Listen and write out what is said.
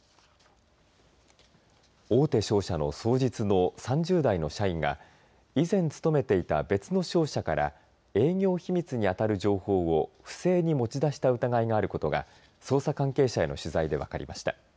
大手商社の双日の３０代の社員が以前勤めていた別の商社から営業秘密に当たる情報を不正に持ち出した疑いがあることが捜査関係者への取材で分かりました。